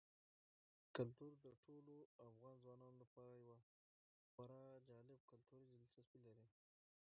کلتور د ټولو افغان ځوانانو لپاره یوه خورا جالب کلتوري دلچسپي لري.